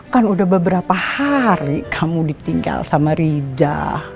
kan udah beberapa hari kamu ditinggal sama rija